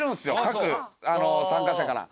各参加者から。